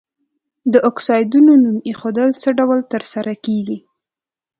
د اکسایدونو نوم ایښودل څه ډول تر سره کیږي؟